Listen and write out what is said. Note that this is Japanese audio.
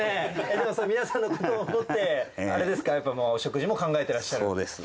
でも皆さんのことを思って、あれですか、食事も考えてらっしそうです。